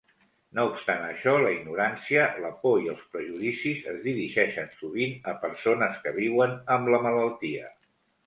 No obstant això, la ignorància, la por i els prejudicis es dirigeixen sovint a persones que viuen amb la malaltia.